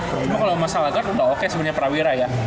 cuma kalau mas alagard udah oke sebenarnya prawira ya